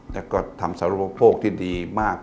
และก็ทำสรรพโปรกที่ดีมาก